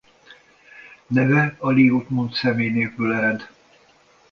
Neve a Liutmunt személynévből ered.